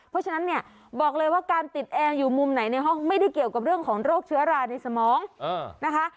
เพราะฉะนั้นเนี่ยบอกเลยว่าการติดแอร์อยู่มุมไหนในห้องไม่ได้เกี่ยวกับเรื่องของโรคเชื้อราในสมองนะคะ